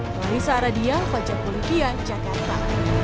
tulis aradia fajar politian jakarta